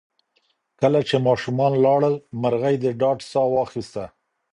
کله چې ماشومان لاړل، مرغۍ د ډاډ ساه واخیسته.